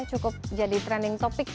cukup jadi trending topic